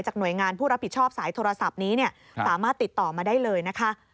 หน่วยงานผู้รับผิดชอบสายโทรศัพท์นี้สามารถติดต่อมาได้เลยนะคะ